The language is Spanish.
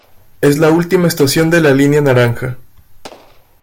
Es la última estación de la Línea Naranja.